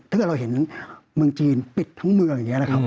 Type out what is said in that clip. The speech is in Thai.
ถ้าเกิดเราเห็นเมืองจีนปิดทั้งเมืองอย่างนี้นะครับ